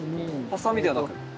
ハサミではなく。